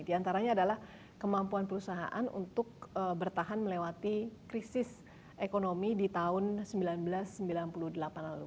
di antaranya adalah kemampuan perusahaan untuk bertahan melewati krisis ekonomi di tahun seribu sembilan ratus sembilan puluh delapan lalu